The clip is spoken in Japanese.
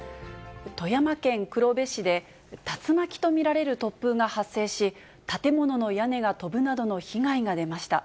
富山県黒部市で、竜巻と見られる突風が発生し、建物の屋根が飛ぶなどの被害が出ました。